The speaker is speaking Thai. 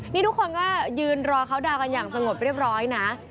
นี่ทุกคนก็ยืนรอเขาดาวกันอย่างสงบเรียบร้อยนะ